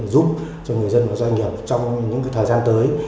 giúp cho người dân và doanh nghiệp trong những thời gian tới